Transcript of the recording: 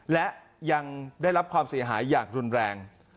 และยังได้รับความเสียหายอย่างรุนแรง